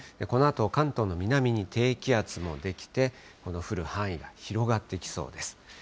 このあと関東の南に低気圧も出来て、降る範囲が広がっていきそうです。